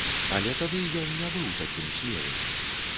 Але тады ён не быў такім смелым.